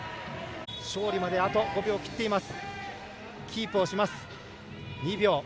勝利まであと５秒を切っています。